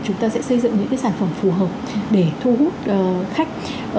chúng ta sẽ xây dựng những sản phẩm phù hợp để thu hút khách